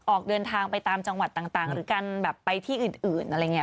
ออกเดินทางไปตามจังหวัดต่างหรือการแบบไปที่อื่นอะไรอย่างนี้